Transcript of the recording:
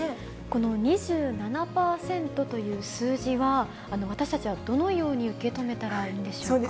この２７％という数字は、私たちはどのように受け止めたらいいんでしょうか。